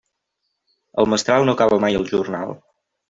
El mestral no acaba mai el jornal.